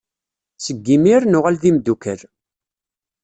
Seg imir, nuɣal d imdukal.